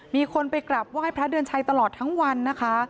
มีคนไปกลับไหว้พระเดือนชัยตลอดทั้งวันนะคะ